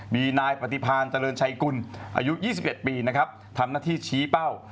มีนายปฏิพาณเจริญชัยกุลอายุ๒๑ปีนะครับทำหน้าที่ชี้เป้า